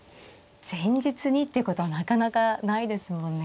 前日にっていうことはなかなかないですもんね。